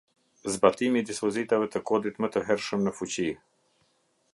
Zbatimi i dispozitave të Kodit më të hershëm në fuqi.